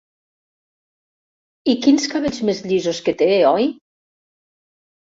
I quins cabells més llisos que té, oi?